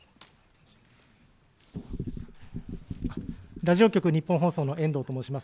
ラジオ局、ニッポン放送のえんどうと申します。